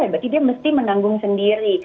berarti dia mesti menanggung sendiri